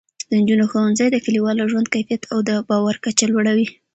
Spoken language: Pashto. د نجونو ښوونځی د کلیوالو ژوند کیفیت او د باور کچه لوړوي.